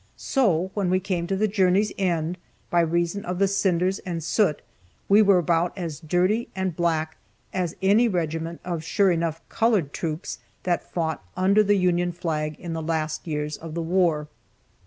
So, when we came to the journey's end, by reason of the cinders and soot we were about as dirty and black as any regiment of sure enough colored troops that fought under the Union flag in the last years of the war.